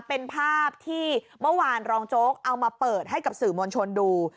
เป็นภาพที่เมื่อวานรองโจ๊กเอามาเปิดให้กับสื่อมวลชนดู